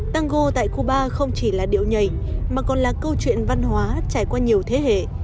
tăng go tại cuba không chỉ là điệu nhảy mà còn là câu chuyện văn hóa trải qua nhiều thế hệ